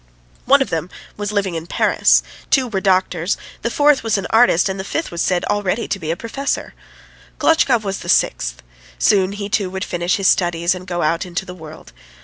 One of them was living in Paris, two were doctors, the fourth was an artist, and the fifth was said to be already a professor. Klotchkov was the sixth. ... Soon he, too, would finish his studies and go out into the world.